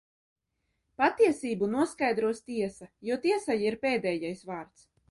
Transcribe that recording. Patiesību noskaidros tiesa, jo tiesai ir pēdējais vārds.